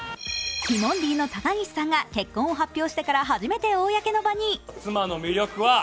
ティモンディの高岸さんが結婚を発表してから初めて公の場に。